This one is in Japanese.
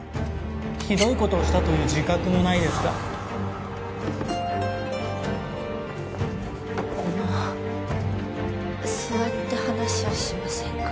ひどいことをしたという自覚もないですかあの座って話をしませんか